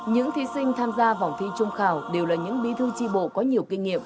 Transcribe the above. những thí sinh tham gia vòng thi trung khảo đều là những bí thư tri bộ có nhiều kinh nghiệm